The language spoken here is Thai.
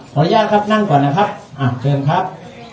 อนุญาตครับนั่งก่อนนะครับเชิญครับ